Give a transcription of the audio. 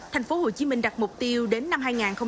thành phố hồ chí minh đặt mục tiêu đến năm hai nghìn hai mươi